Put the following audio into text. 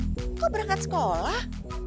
hah kok berangkat sekolah